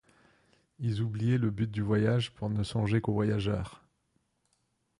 Ils oubliaient le but du voyage pour ne songer qu’aux voyageurs !